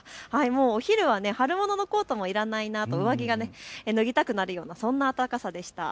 お昼は春物のコートもいらないなと、上着が脱ぎたくなるような、そんな暖かさでした。